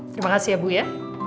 terima kasih ibu ya